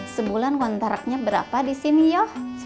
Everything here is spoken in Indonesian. sebulan kontraknya berapa di sini ya